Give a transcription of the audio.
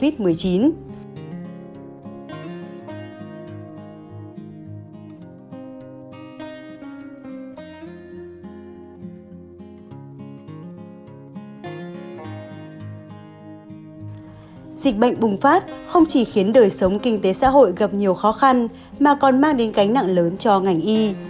dịch bệnh bùng phát không chỉ khiến đời sống kinh tế xã hội gặp nhiều khó khăn mà còn mang đến cánh nặng lớn cho ngành y